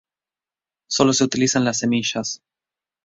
Sólo se utilizan las semillas.